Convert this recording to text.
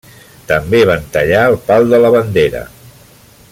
També van tallar el pal de la bandera.